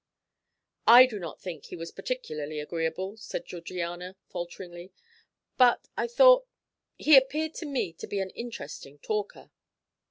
"I do not think he was particularly agreeable," said Georgiana, falteringly, "but I thought he appeared to me to be an interesting talker."